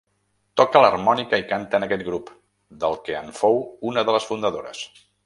Toca l'harmònica i canta en aquest grup, del que en fou una de les fundadores.